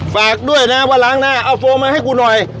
ฝากด้วยนะว่าล้างหน้าเอาโฟมมาให้กูหน่อย